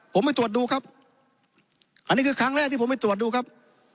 ผมไปตรวจดูครับอันนี้คือครั้งแรกที่ผมไปตรวจดูครับ